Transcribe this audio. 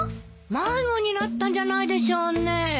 迷子になったんじゃないでしょうね。